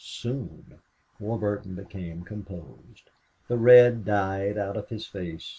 Soon!" Warburton became composed. The red died out of his face.